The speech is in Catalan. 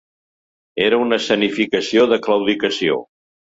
Era una escenificació de claudicació.